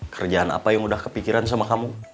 kerjaan apa yang udah kepikiran sama kamu